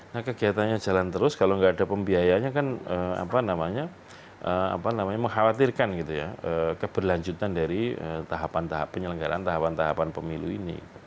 nah kegiatannya jalan terus kalau enggak ada pembiayanya kan mengkhawatirkan keberlanjutan dari tahapan tahapan penyelenggaraan tahapan tahapan pemilu ini